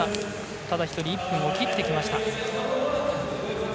ただ一人、１分を切ってきました。